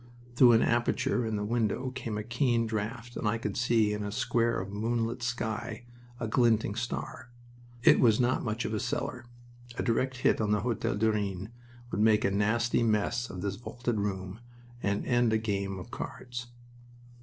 Through an aperture in the window came a keen draft and I could see in a square of moonlit sky a glinting star. It was not much of a cellar. A direct hit on the Hotel du Rhin would make a nasty mess in this vaulted room and end a game of cards.